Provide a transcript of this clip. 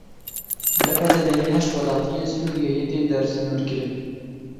Li Edeneyê heşt welatiyên Sûriyeyê tên dersînorkirin.